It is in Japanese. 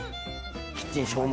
キッチン消耗。